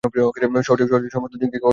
শহরটি সমস্ত দিক থেকে অসাধারণ দর্শনীয়।